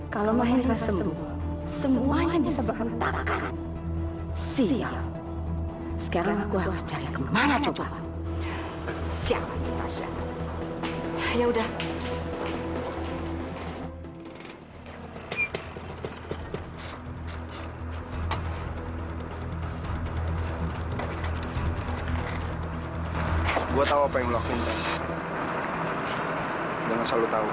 kalau mahendra sembuh semuanya bisa berbentakan